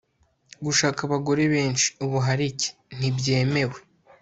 gushaka abagore benshi(ubuharike) ntibyemewe